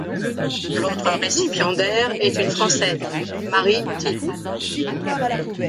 L'autre récipiendaire est une française, Marie Tippe.